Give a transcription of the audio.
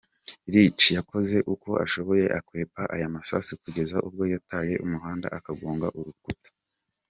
Rick yakoze uko ashoboye akwepa aya amasasu kugeza ubwo yataye umuhanda agonga urukuta.